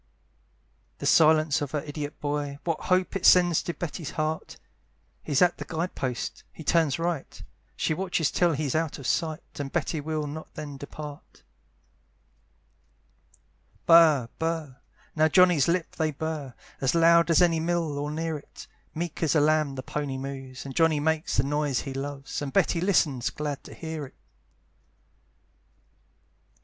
The silence of her idiot boy, What hopes it sends to Betty's heart! He's at the guide post he turns right, She watches till he's out of sight, And Betty will not then depart. Burr, burr now Johnny's lips they burr, As loud as any mill, or near it, Meek as a lamb the pony moves, And Johnny makes the noise he loves, And Betty listens, glad to hear it.